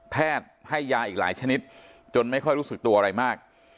ให้ยาอีกหลายชนิดจนไม่ค่อยรู้สึกตัวอะไรมาก